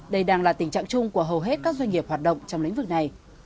đây đang là tình trạng chung của hầu hết các doanh nghiệp hoạt động trong lĩnh vực này